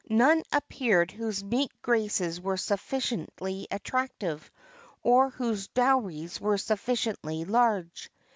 None appeared whose meek graces were sufficiently attractive, or whose dowries were sufficiently large.